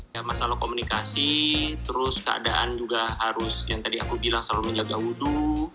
ya masalah komunikasi terus keadaan juga harus yang tadi aku bilang selalu menjaga wudhu